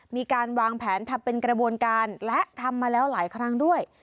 มีการวางแผนทำเป็นกระบวนการและทำมาแล้วหลายครั้งด้วย